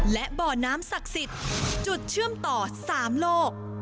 และบ่อน้ำศักดิ์สิทธิ์จุดเชื่อมต่อ๓โลก